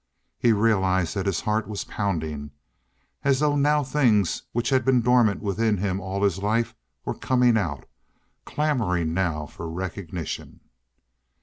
He realized that his heart was pounding, as though now things which had been dormant within him all his life were coming out clamoring now for recognition.